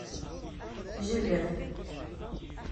Ǧelleb!